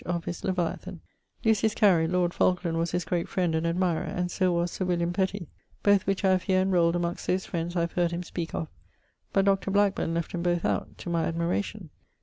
of his Leviathan. Lucius Carey, lord Falkland was his great friend and admirer, and so was Sir William Petty; both which I have here enrolled amongst those friends I have heard him speake of, but Dr. Blackburne left 'em both out (to my admiration).